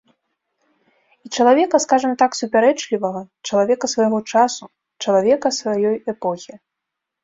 І чалавека, скажам так, супярэчлівага, чалавека свайго часу, чалавека сваёй эпохі.